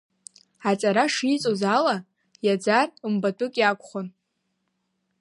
Аҵара шиҵоз ала, иаӡар, мбатәык иакәхон…